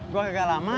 gue agak lama